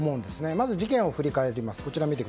まず事件を振り返ります。